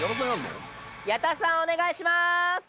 矢田さん、お願いします。